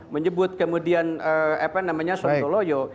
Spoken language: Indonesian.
menyebut kemudian apa namanya suatu loyo